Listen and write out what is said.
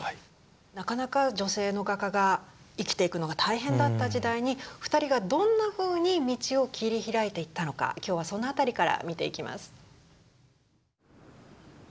なかなか女性の画家が生きていくのが大変だった時代に２人がどんなふうに道を切り開いていったのか今日はその辺りから見ていきます。